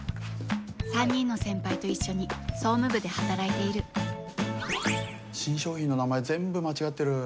３人の先輩と一緒に総務部で働いている新商品の名前全部間違ってる。